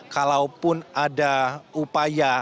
kalaupun ada upaya